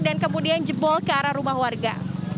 kemudian jebol ke arah rumah warga